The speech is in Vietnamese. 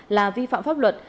là vi phạm pháp luật